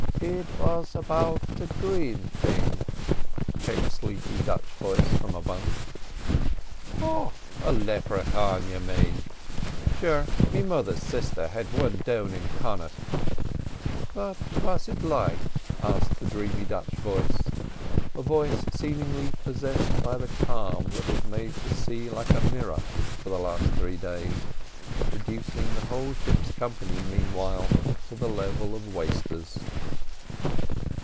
"It vas about a green thing," came a sleepy Dutch voice from a bunk. "Oh, a Leprachaun you mane. Sure, me mother's sister had one down in Connaught." "Vat vas it like?" asked the dreamy Dutch voice—a voice seemingly possessed by the calm that had made the sea like a mirror for the last three days, reducing the whole ship's company meanwhile to the level of wasters.